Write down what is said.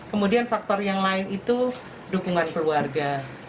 kemudian faktor yang lain itu dukungan keluarga